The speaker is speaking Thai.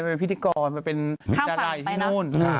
เป็นพิธีกรเป็นดารัยที่โน่น